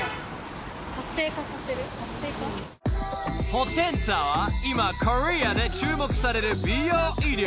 ［ポテンツァは今コリアで注目される美容医療］